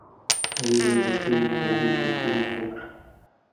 هغوی باید د خپلو کاليو ترتیب زده کړي.